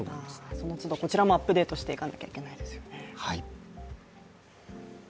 その都度こちらもアップデートしていかなければいけませんね。